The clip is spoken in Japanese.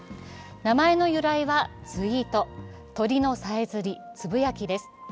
名前の由来はｔｗｅｅｔ＝鳥のさえずり、つぶやきです。